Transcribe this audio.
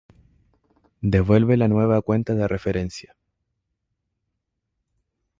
Devuelve la nueva cuenta de referencia.